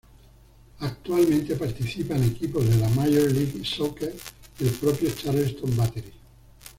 Actualmente participan equipos de la Major League Soccer y el propio Charleston Battery.